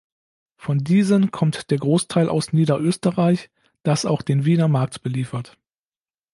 Von diesen kommt der Großteil aus Niederösterreich, das auch den Wiener Markt beliefert.